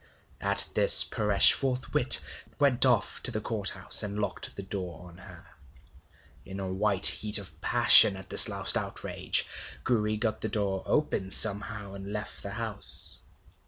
At this Paresh forthwith went off to the Court house, and locked the door on her. In a white heat of passion at this last outrage, Gouri got the door open somehow, and left the house.